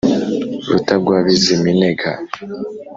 Rutagwabiziminega,